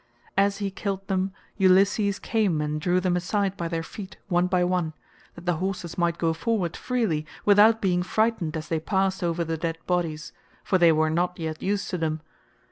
As he killed them Ulysses came and drew them aside by their feet one by one, that the horses might go forward freely without being frightened as they passed over the dead bodies, for they were not yet used to them.